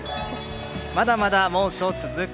まだまだ猛暑続く。